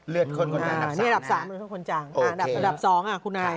เลือดคนค้นคนจ่างอันดับสองคุณนาย